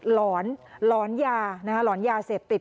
หลอนหลอนยานะฮะหลอนยาเสพติด